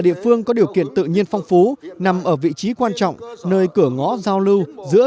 địa phương có điều kiện tự nhiên phong phú nằm ở vị trí quan trọng nơi cửa ngõ giao lưu giữa